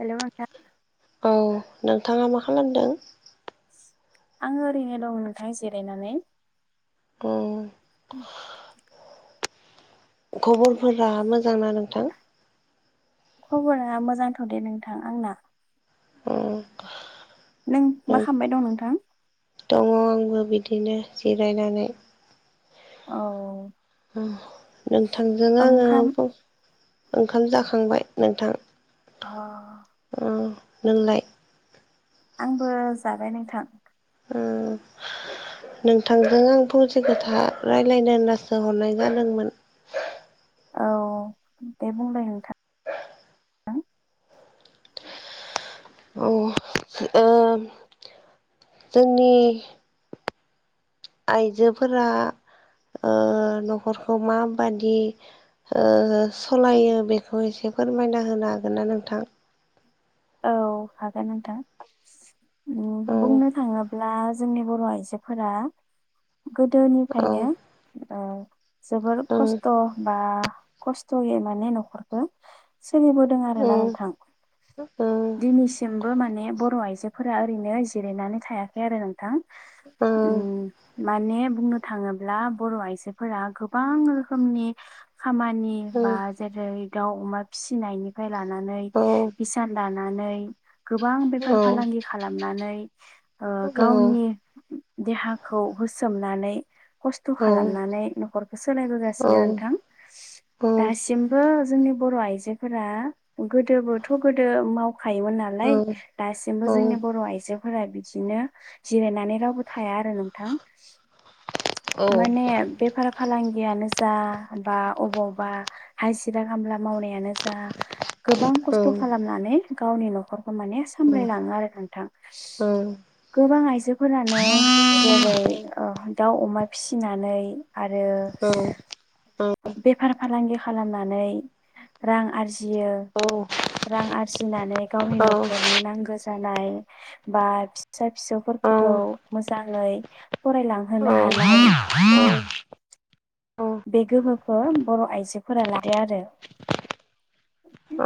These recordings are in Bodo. हेलौ नोंथां । औ नोंथाङा मा खालामदों? आं ओरैनो दङ नोंथा जिरायनानै। खबरफोरा मोजांना नोंथां? खबरा मोजांथ' दे नोंथां आंना । नों मा खालामबाय दं नोंथां? दङ आंबो बिदिनो जिरायनानै । औ। नोंथांजों ओंखाम आङो ओंखाम जाखांबाय नोंथां । अह। नोंलाय। आंबो जाबाय नोंथां। उम। नोंथांजों आं फंसे खोथा रायलायनो होननासो हरनाय जादोंमोन। औ दे बुंलाय नोंथां। नोंथां औ ओ जोंनि। आइजोफोरा ओ न'खरखौ माबादि ओ सलायो बेखौ एसे फोरमायना होनो हागोन ना नोंथां। औ हागोन नोंथां उम बुंनो थाङोब्ला। जोंनि बर' आइजोफोरा गोदोनिफायनो ओ जोबोर खस्थ' बा खस्थ'यै माने न'खरखो स सोलिबोदों आरो ना नोंथां। दिनैसिमबो माने बर' आइजोफोरा ओरैनो जिरायनानै थायाखै आरो नोंथां। उम। माने बुंनो थाङोब्ला बर' आइजोफोरा गोबां रोखोमनि खामानि। बा जेरै दाउ अमा फिसिनायनिफ्राय लानानै हिसान दानानै गोबां बेफार फालांगि खालामनानै ओ गावनि देहाखौ होसोमनानै खस्थ' खालामनानै न'खर सोलायबोगासिनो नोंथां। दासिमबो जोंनि बर' आइजोफोरा गोदोबोथ' गो गोदो मावखायोमोन नालाय दासिमबो जोंनि बर' आइजो फोरा बिदिनो जिरायनानै रावबो थाया आरो नोंथां। माने बेफार फालांगियानो जा बा अबावबा हाय सिरा खामला मावनायानो जा गोबां खस्थ' खालामनानै गावनि न'खरखौ माने सामलायलाङो आरो नोंथां। गोबां आइजोफोरानो जेरै ऐ दाउ अमा फिसिनानै आरो बेफार फालांगि खालामनानै रां आरजियो। रां आरजिनानै गावनि न'खरनि नांगो जा जानाय बा फिसा फिसौफोरखौ मोजाङै फरायलांहोनो हानाय बे गोहोखौ बर'आइजोफोरा लायो आरो।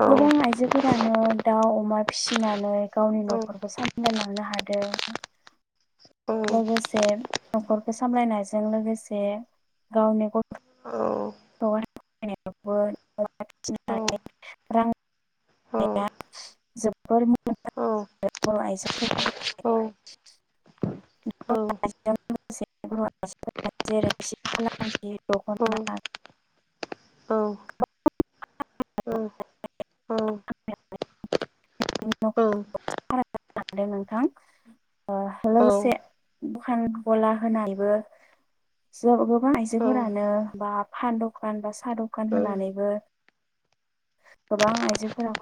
गोबां आइजोफोरानो दाउ अमा फिसिनानै गावनि न'खरखौ सामलायलांनो हादों। लोगोसे न'खरखौ सामलायनायजों लोगोसे गावनि गथ'। द फरायनायावबोनानै रां औ। [unintelligible] [unintelligible] [unintelligible] [unintelligible] औ। [unintelligible] दखान गला होनानैबो। [unintelligible] गोबां आइजोफोरानो बा फान दखान बा सा दखान। दखान होनानैबो गोबां आइजोफोरा।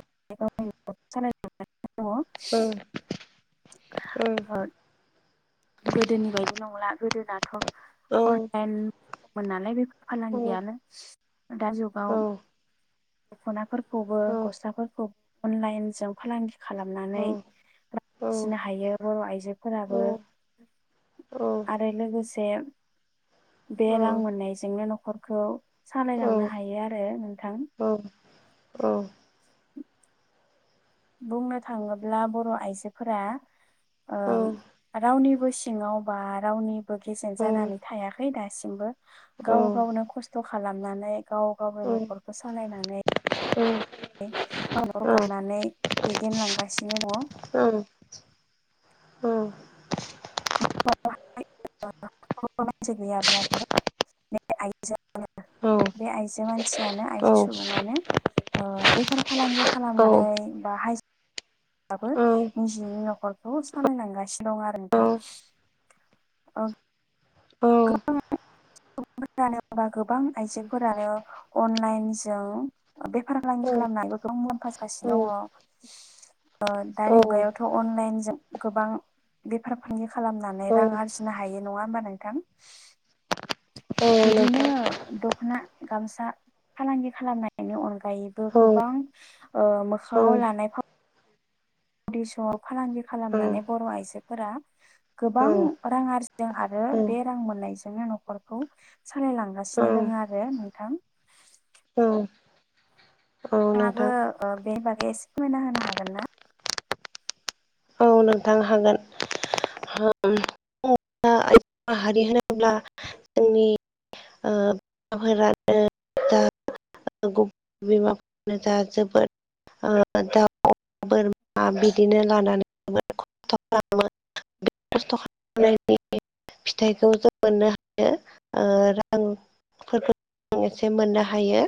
[unintelligible] [unintelligible] गोदोनि बायदि नंला गोदोनाथ। अनलाइनमोन नालाय बेफोर औ फालांगियानो दा जुगाव। दखनाफोरखौबो गस्लाफोरखौबो अनलाइनजों फालांगि खालामनानै। रां जिनो हायो बर' आइजोफोराबो। आरो लोगोसे। बे रां मोननायजोंनो नखरखौ सालायलांनो हायो आरो नोंथां। बुंनो थाङोब्ला बर' आइजोफोरा। ओ औ। रावनिबो सिंङाव बा रावनिबो गेजेन जानानै थायाखै दासिमबो गाव गाव। गावनो खस्थ खालामनानै गाव गावनि नखरखौ सालायनानै। [unintelligible] [inaudible] [unintelligible] [unintelligible] बे आइजो मानसियानो आइजो सुबुंआनो। ओ बेफार फालांगि खालामनानै बा हाय। [unintelligible] निजिनि नखरखौ सालायलांगासिनो दं आरो नोंथां। [unintelligible] [inaudible] फोरानो बा गोबां आइजोेंफोरानो अनलाइन जा बेफार फालांगि खालामनायबो। [unintelligible] ओ दानि मुगायावथ अनलाइनजों गोबां बेफार फालांगि खालामनो। [unintelligible] रां आरजिनो हायो नङा होमबा नोंथां। बिदिनो दखना गामसा। फालांगि खालामनायनि अनगायैबो गोबां ओ मोखांङाव लानाय फाव। [unintelligible] फालांगि खालामनानै बर' आइजो। फोरा गोबां रां आरजिदों आरो बे रां मोननायजोंनो नखरखौ। सालायलांगासिनो दङ आरो नोंथां। औ। नोंथां नोंथांङाबो बेनि बागै एसे फोरमायना होनो हागोन ना। औ नोंथां हागोन। माहारि होनोब्ला जोंनि। [unintelligible] [unintelligible] [unintelligible] [unintelligible] [unintelligible] औ एसे मोननो हायो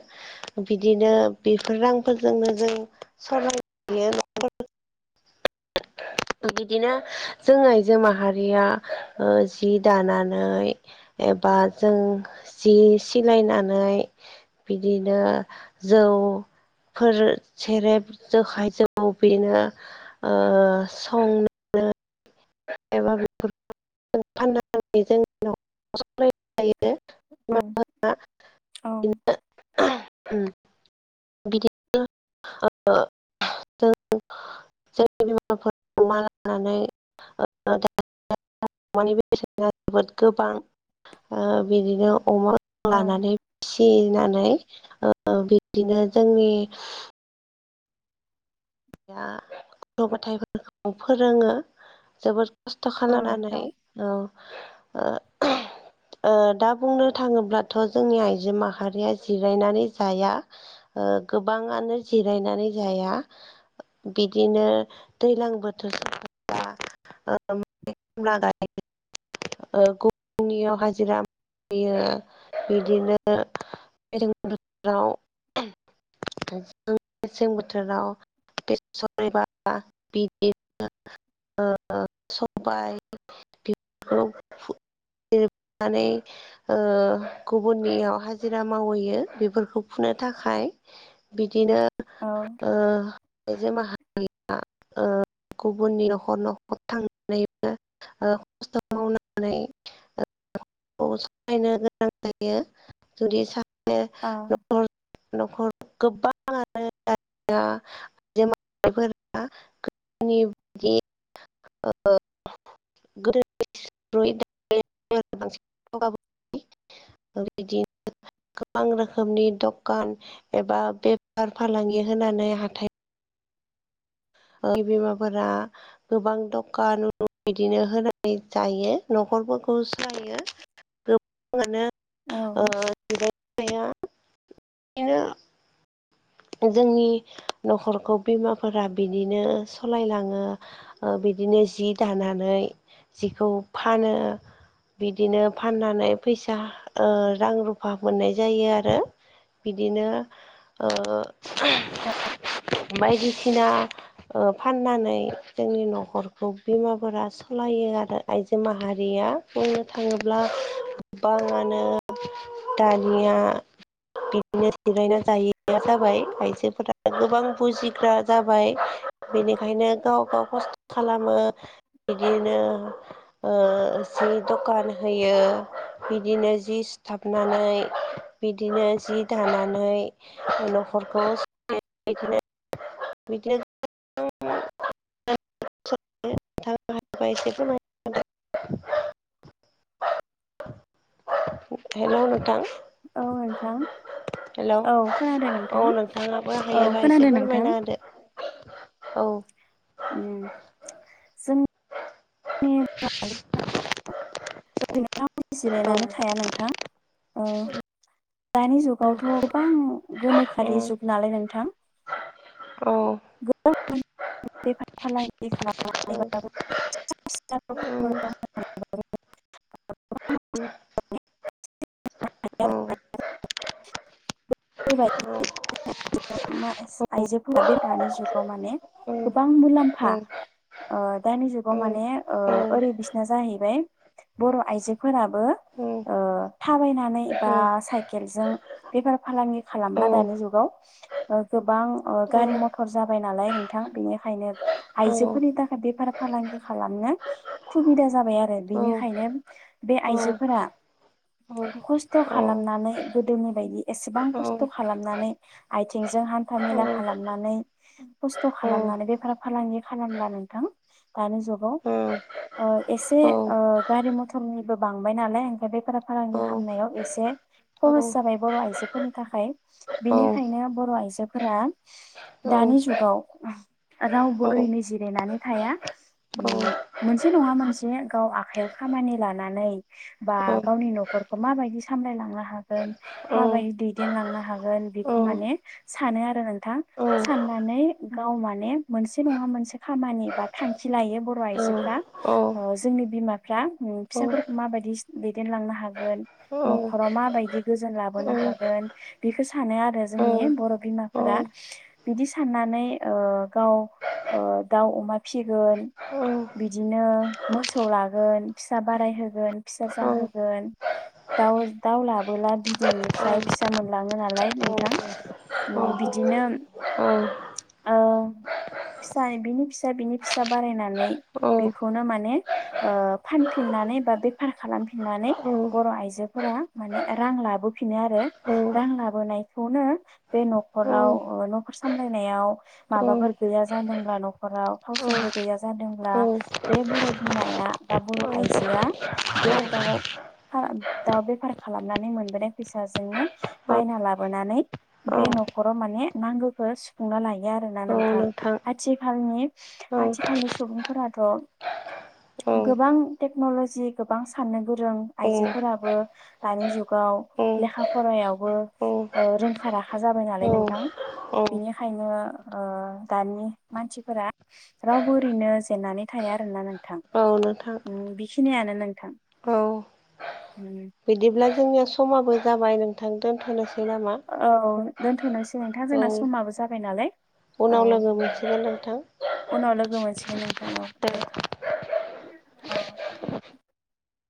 बिदिनो बेफोर रांफोरजोंनो जों [unintelligible] बिदिनो जों आइजो माहारिया ओ जि दानानै एबा जों जि सिलायनानै बिदिनो जौ फोर सेरेब [unintelligible] ओ [unintelligible] एबा बेफोर [unintelligible] औ औ। उम बिदिनो ओ [unintelligible] [unintelligible] [unintelligible] गोबां ओ बिदिनो अमा औ लानानै फिनानै ओ बिब्दिनो जोंनि या गथ' गथाइफोरखौ फोरोङो जोबोद खस्थ' खालामनानै नोंथां औ ओ [unintelligible] ओ दा बुंनो थाङोब्लाथ' जोंनि आइजो माहारिया जिरायनानै जाया। ओ गोबाङानो जिरायनानै जाया। बिदिनो दैलां बोथोर [unintelligible] [unintelligible] ओ [unintelligible] हाजिरा होयो ओ बिदिनो [unintelligible] मेसें बोथोराव [unintelligible] ओ सबाय [unintelligible] नानै ओ गुबुननियाव हाजिरा मावहैयो बेफोरखौ फु नों थाखाय बिदिनो औ ओ आइजो माहारिया ओ गुबुननि नखर नखर थांनानैबो ओ खस्थ' मावनानै ओ नखर सालायनो गोनां जायो जुदि सा औ [unintelligible] [unintelligible] [unintelligible] [unintelligible] गोबां रोखोमनि दखान एबा बेफार फालांगि होनानै नाय हाथाय ओ बिमाफोरा गोबां दखान बिदिनो होनाय जायो नख खरफोरखौ सालायो [unintelligible] औ [unintelligible] जोंनि नखरखौ बिमाफोरा बिदिनो सलायलाङो ओ बि दिनो जि दानानै जिखौ फानो बिदिनो फाननानै फैसा ओ रां रुफा मोननाय जायो आरो बिदिनो ओ [unintelligible] बायदिसिना ओ फाननानै जोंनि नखरखौ बिमाफोरा सलायो आरो आइजो माहारि या बुंनो थाङोब्ला गोबाङानो दानिया बिदिनो जिरायना जायैया जाबाय आइजोफोरा गोबां बुजिग्रा जाबाय बेनिखायनो गाव गाव खस्थ' खालामो बिदिनो ओ जि दखान होयो बिदिनो जि सिथाबनानै बिदिनो जि दानानै नख [unintelligible] [unintelligible] एसे [unintelligible] होदो हेल' नोंथां। औ नोंथां हेलौ औ खोनादों नोंथां। औ नोंथाङाबो औ हायोबा एसे खोनादों नोंथां फोरमायना होदो औ। उम जों [inaudible] ओरैनोथ आंबो औ जिरायनानै थाया नोंथां। औ। दानि जुगावथ' गोबां गोनोखोआरि जुग नालाय नोंथां औ। गोबां [unintelligible] [unintelligible] औ [unintelligible] [unintelligible] औ [unintelligible] बे दानि जुगाव माने औ गोबां मुलाम्फा ओ दानि जुगाव माने ओ ओरै बिसना जाहैबाय बर' आइजोफोराबो ओ थाबायनानै बा साइकेलजों बेफार फालांगि खालामला दानि जुगाव ओ गोबां ओ गारि मथ'र जाबाय नालाय नोंथां बेनि खायनो। आइजोफोरनि थाखाय बेफार फालांगि खालामनो खुबिदा जाबाय आरो बेनिखायनो बे आइजोफोरा खस्थ' खालामनानै गोदोनि बायदि एसेबां खस्थ' खालामनानै आयथेंजों हान्था मेला खालामनानै खस्थ' खालाम माने बेफार फालांगि खालामला नोंथां दानि जुगाव। ओ एसे ओ गारि मथरनिबो बांबाय नालाय ओंखाय बेफार फालांगि खालामनायाव एसे [unintelligible] बेफोरनि थाखाय बिनिखायनो बर' आइजोफोरा दानि जुगाव रावबो ओरैनो जिरायनानै थाया। ओम मोनसे नङा मोनसे गाव आखायाव खामानि लानानै बा गावनि न'ख खरखौ मायदि सलायांनो हागोन मा बाय दैदेनलांनो हागोन बेखौ माने सानो आरो नोंथां साननानै गाव माने मोनसे नङा मोनसे खामानि बा थांखि लायो बर' आइजोफ्रा, ओ जोंनि बिमाफ्रा। उम फिसाफोरखौ माबायदि दैदेनलांनो हागोन न'खराव माबायदि गोजोन लाबोनो हा गोन बिखो सानो आरो जोंनि बर' बिमाफोरा। बिदि साननानै ओ औ ओ दाउ अमा फिगोन बिदिनो मोसौ लागोन फिसा बाराय होगोन फिसा जाहोगोन दाउ दाउ लाबोला बिदैनिफ्राय फिसा मोनलाङो नालाय नोंथां, ओम बिदिनो ओ फिसा बिनि फिसा बिनि फिसा बारायनानै बिखौनो माने ओ फानफिननानै बा बेफार खालामफिननानै बर' आइजोफोर फोरा माने रां लाबोफिनो आरो रां लाबोनायखौनो बे नख'राव ओ न' सामलायनायाव माबाफोर गैया जादोंब्ला न'खराव थाव संख्रि गैया जादोंब्ला बे बर' बिमाया बा औ बर' आइजोआ बे दाउ [unintelligible] दाउ बेफार खालामनानै मोनबोनाय फैसाजोंनो बायना लाबोनानै बे न'खराव माने नांगौ खो सुफुंना लायो आरोना नोंथां। आथिखालनि औ औ आथिखालनि सुबुंफोराथ' गोबां टेक्नल'जि गोबां साननो गोरों औ आइजोफोराबो दानि जुगाव गाव लेखा फरायावबो औ ओ रोंखा राखा जाबाय नालाय नोंथां। बेनिखायनो ओ दानि मानसिफोरा रावबो ओरैनो जेननानै थाया। ना नोंथां। औ नोंथां। खिनियानो नोंथां। औ उम बिदिब्ला जोंनिया समाबो जाबाय नोंथां दोनथ'नोसै नामा औ दोनथ'नोसै नोंथां औ जोंना समाबो जाबाय नालाय। औ उनाव लोगो मोनसिगोन नोंथां [unintelligible] उनाव लोगो दे मोनसि [unintelligible]